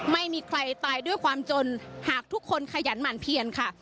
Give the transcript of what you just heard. ไม่มีใครตายด้วยความจนหากทุกคนขยันหมั่นเพียนค่ะ